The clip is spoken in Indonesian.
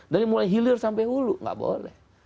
dari mulai hilir sampai hulu nggak boleh